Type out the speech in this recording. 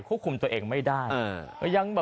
จังหวัดนี้เพื่อรักษา๗๓ไม่ได้